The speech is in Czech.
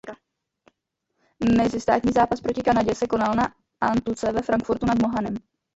Mezistátní zápas proti Kanadě se konal na antuce ve Frankfurtu nad Mohanem.